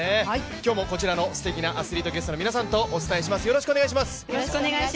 今日もこちらのすてきなアスリートゲストの皆さんと一緒にお伝えします。